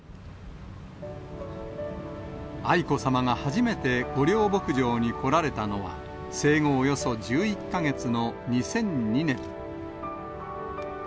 愛子さまが初めて御料牧場に来られたのは、生後およそ１１か月の２００２年。